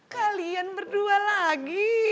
kalian berdua lagi